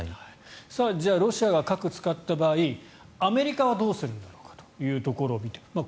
じゃあ、ロシアが核を使った場合アメリカはどうするんだろうかというところを見ていきます。